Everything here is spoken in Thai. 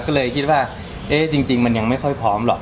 ก็เลยคิดว่าเอ๊ะจริงมันยังไม่ค่อยพร้อมหรอก